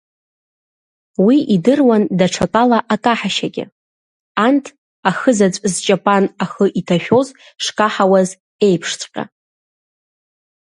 Уи идыруан даҽакала акаҳашьагьы, анҭ, ахызаҵә зҷапан ахы иҭашәоз шкаҳауаз еиԥшҵәҟьа.